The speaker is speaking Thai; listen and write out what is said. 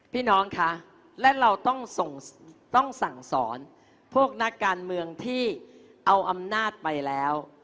พี่น้องคะและเราต้องสั่งสอนพวกนักการเมืองที่เอาอำนาจไปแล้ว